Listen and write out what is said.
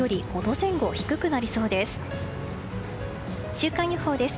週間予報です。